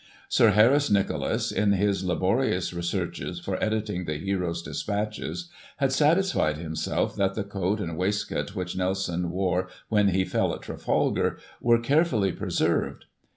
Sir Harris Nicolas, in his laborious researches for editing the hero's Despatches, had satisfied himself that the coat and waistcoat which Nelson wore when he fell at Trafalgar, were carefully preserved.